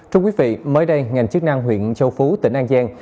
thưa quý vị mới đây ngành chức năng huyện châu phú tỉnh an giang